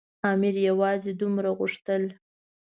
امیر یوازې دومره غوښتل.